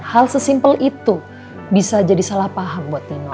hal sesimpel itu bisa jadi salah paham buat dino